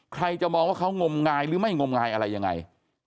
ใครจะมองว่าเขางมงายหรือไม่งมงายอะไรยังไง